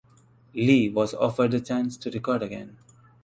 Lee was offered the chance to record again.